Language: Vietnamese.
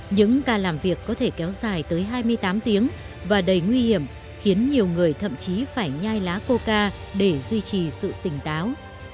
những ca làm việc có thể kéo dài tới hai mươi tám tiếng và đầy nguy hiểm khiến nhiều người thậm chí phải nhai lá cô ca để duy trì sự tỉnh táo